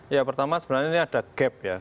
ya pertama sebenarnya ini ada gap ya